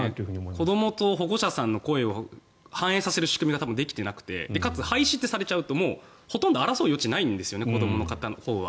子どもと保護者さんの声を反映させる仕組みが多分できていなくてかつ廃止ってされちゃうともうほとんど争う余地がないんですよね子どものほうは。